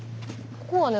ここはね